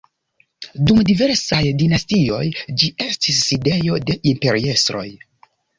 Dum diversaj dinastioj ĝi estis sidejo de imperiestroj.